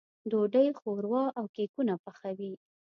ډوډۍ، ښوروا او کيکونه پخوي.